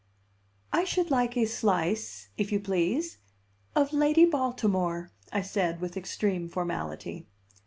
"I should like a slice, if you please, of Lady Baltimore," I said with extreme formality.